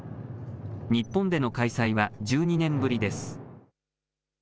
日本での開催は１２年ぶりです。